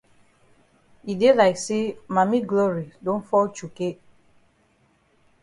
E dey like say Mami Glory don fall chukay.